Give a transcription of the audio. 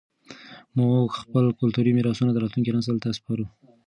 موږ خپل کلتوري میراثونه راتلونکي نسل ته سپارو.